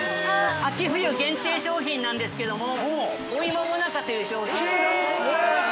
◆秋冬限定商品なんですけども、「おいももなか」という商品。